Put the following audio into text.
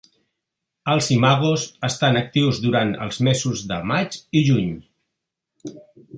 Els imagos estan actius durant els mesos de maig i juny.